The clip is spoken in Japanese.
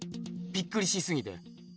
びっくりしすぎて。